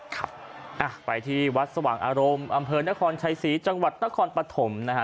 ครับไปที่วัดสว่างอารมณ์อำเภอนครชัยศรีจังหวัดนครปฐมนะฮะ